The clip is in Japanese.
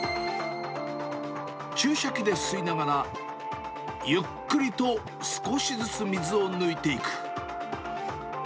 注射器で吸いながら、ゆっくりと少しずつ水を抜いていく。